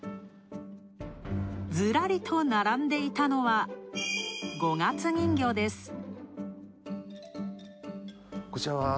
ずらりと並んでいたのは五月人形です。